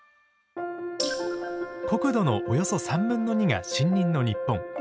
国土のおよそ３分の２が森林の日本。